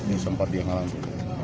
ini sempat dihalangi